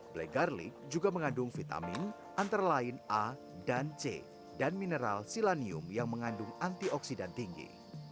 black garlic juga mengandung vitamin antara lain a dan c dan mineral silanium yang mengandung antioksidan tinggi